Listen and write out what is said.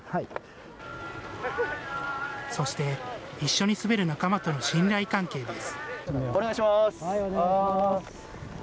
そして、一緒に滑る仲間との信頼関係です。